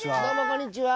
こんにちは。